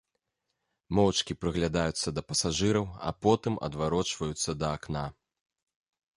Моўчкі прыглядаюцца да пасажыраў, а потым адварочваюцца да акна.